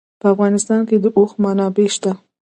په افغانستان کې د اوښ منابع شته.